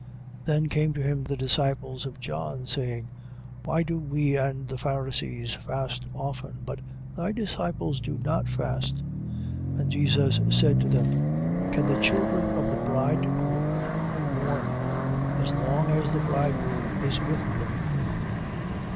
9:14. Then came to him the disciples of John, saying: Why do we and the Pharisees, fast often, but thy disciples do not fast? 9:15. And Jesus said to them: Can the children of the bridegroom mourn, as long as the bridegroom is with them?